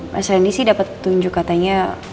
mas randy sih dapet petunjuk katanya